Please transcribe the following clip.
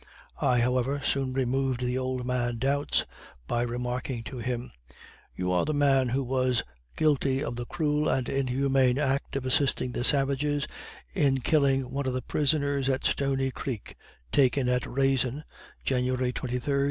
I, however, soon removed the old man's doubts, by remarking to him, "You are the man who was guilty of the cruel and inhuman act of assisting the savages in killing one of the prisoners at Stony creek, taken at Raisin, January 23, 1813.